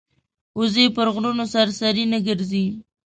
وزې پر غرونو سرسري نه ګرځي